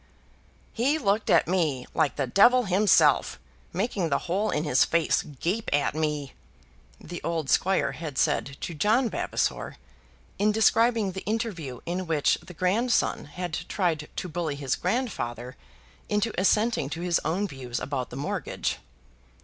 "He looked at me like the devil himself making the hole in his face gape at me," the old squire had said to John Vavasor in describing the interview in which the grandson had tried to bully his grandfather into assenting to his own views about the mortgage.